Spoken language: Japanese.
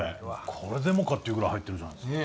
これでもかっていうぐらい入ってるじゃないですか。